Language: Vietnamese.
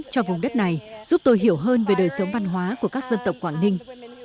cho vùng đất này giúp tôi hiểu hơn về đời sống văn hóa của các dân tộc quảng ninh